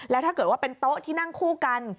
แล้วถ้าเกิดว่าเป็นโต๊ะที่นั่งคู่กัน